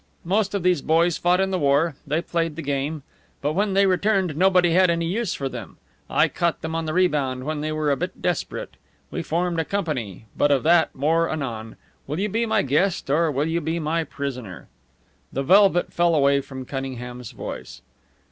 Most of these boys fought in the war; they played the game; but when they returned nobody had any use for them. I caught them on the rebound, when they were a bit desperate. We formed a company but of that more anon. Will you be my guest, or will you be my prisoner?" The velvet fell away from Cunningham's voice.